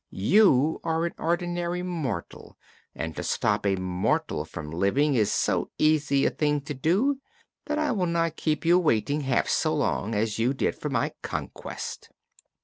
You are an ordinary mortal, and to stop a mortal from living is so easy a thing to do that I will not keep you waiting half so long as you did for my conquest."